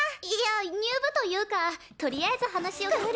⁉いいや入部というかとりあえず話を。